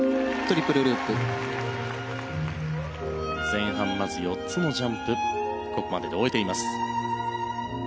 前半まず４つのジャンプここまでで終えています。